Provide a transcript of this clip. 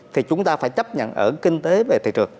thì chúng ta phải chấp nhận ở kinh tế về thị trường